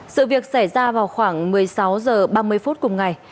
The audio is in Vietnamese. sự việc xảy ra vào khoảng một mươi sáu h ba mươi phút cùng ngày